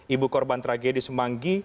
ibu korban tragedis manggi